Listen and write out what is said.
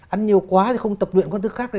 ăn nhiều quá thì không tập luyện con thứ khác